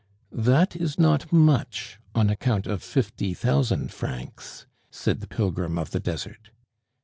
"That is not much on account of fifty thousand francs," said the pilgrim of the desert.